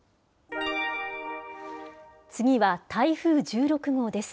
次は台風１６号です。